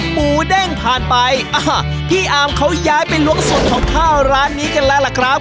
หมูเด้งผ่านไปอ่าพี่อาร์มเขาย้ายไปล้วงสูตรของข้าวร้านนี้กันแล้วล่ะครับ